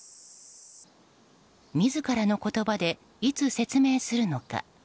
自らの言葉で、いつ説明するのか。